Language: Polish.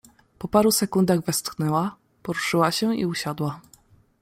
"Po paru sekundach westchnęła, poruszyła się i usiadła."